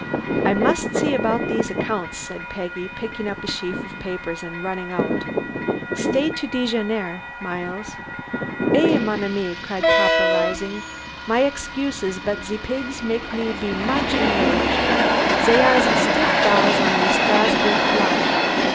"I must see about these accounts," said Peggy, picking up a sheaf of papers and running out. "Stay to dejeuner, Miles." "Eh, mon ami," cried papa, rising. "My excuses, but ze pigs make me to be mooch enrage. Zey are ze steef dolls on the Strasburg clock.